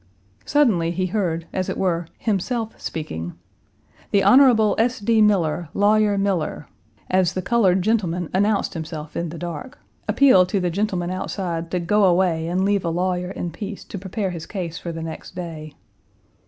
Suddenly he heard, as it were, himself speaking, "the Hon. S. D. Miller Lawyer Miller," as the colored gentleman announced himself in the dark appeal to the gentlemen Page 226 outside to go away and leave a lawyer in peace to prepare his case for the next day.